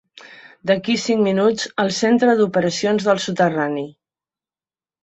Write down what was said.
D'aquí cinc minuts al centre d'operacions del soterrani.